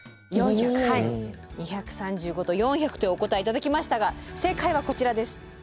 ２３５と４００というお答え頂きましたが正解はこちらです。